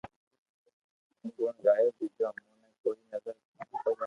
گڻ گايو ٻيجو امو ني ڪوئي نظر ھي ڪوئي